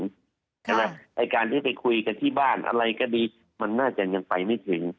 ไอ้การที่ไปคุยกันที่บ้านอะไรก็ดีมันน่าจะยังไปไม่ถึง